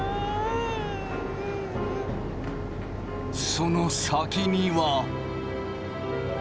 その先には。